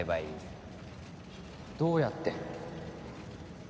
どうやって？